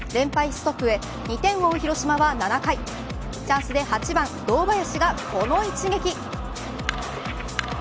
ストップへ２点を追う広島は７回チャンスで８番、堂林がこの一撃。